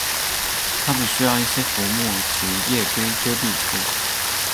它们需要一些浮木及叶堆遮蔽处。